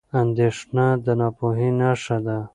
اندېښنه د ناپوهۍ نښه ده.